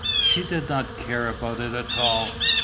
She did not care about it all.